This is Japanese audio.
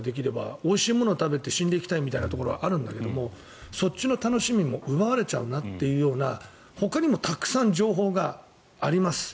おいしいものを食べて死んでいきたいみたいなところがあるんだけどそっちの楽しみも奪われちゃうなというほかにもたくさん情報があります。